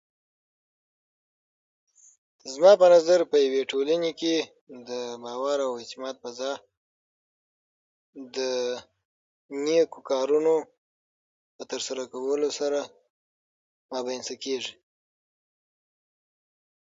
زما په نظر، په یوه ټولنه کې باور او اعتماد پر ځای د نیکو کارونو ترسره کولو سره رامنځته کېږي.